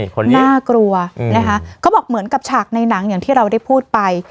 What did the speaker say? คนนี้น่ากลัวอื้มก็บอกเหมือนกับฉากในนังอย่างที่เราได้พูดไป